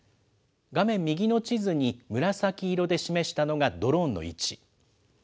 画面右の地図に紫色で示したのがドローンの位置。